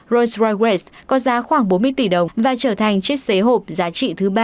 rolls royce great có giá khoảng bốn mươi tỷ đồng và trở thành chiếc xế hộp giá trị thứ ba